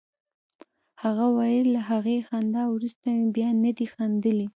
هغه ویل له هغې خندا وروسته مې بیا نه دي خندلي